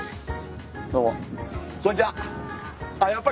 どうもこんにちは。